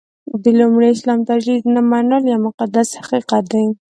د لومړي اسلام تجدید نه منل یو مقدس حقیقت دی.